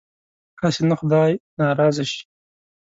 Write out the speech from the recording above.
هسې نه خدای ناراضه شي.